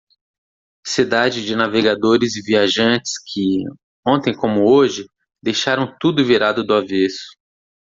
Cidade de navegadores e viajantes que, ontem como hoje, deixaram tudo virado do avesso.